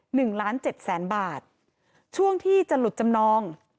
หนึ่งล้านเจ็ดแสนบาทช่วงที่จะหลุดจำนอง